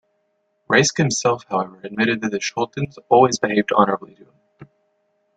Reiske himself, however, admitted that Schultens always behaved honourably to him.